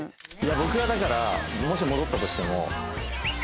僕はだからもし戻ったとしても。